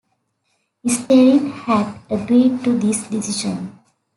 Stalin had agreed to this decision.